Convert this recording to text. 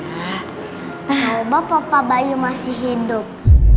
harba papa bayu masih hidup